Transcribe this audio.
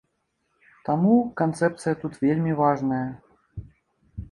Таму канцэпцыя тут вельмі важная.